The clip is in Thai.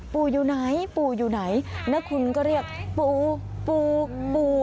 ปูอยู่ไหนปูอยู่ไหนนาคุณก็เรียกปูปูปู